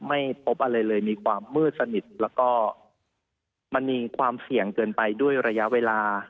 ไม่พบอะไรเลยมีความมืดสนิทแล้วก็มันมีความเสี่ยงเกินไปด้วยระยะเวลา